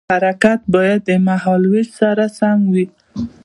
د اورګاډي حرکت باید د مهال ویش سره سم وي.